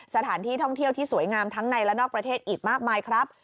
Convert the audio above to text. สถานที่ท่องเที่ยวที่สวยงามทั้งในและนอกประเทศอีกมากมายครับ